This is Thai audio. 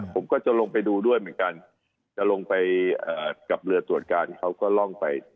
ผมก็จะลงไปดูด้วยเหมือนกันจะลงไปกับเรือตรวจการเขาก็ล่องไป